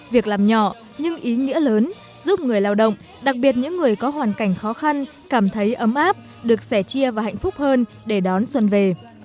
việc làm nhỏ nhưng ý nghĩa lớn giúp người lao động đặc biệt những người có hoàn cảnh khó khăn cảm thấy ấm áp được sẻ chia và hạnh phúc hơn để đón xuân về